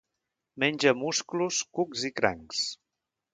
Menja musclos, cucs i crancs.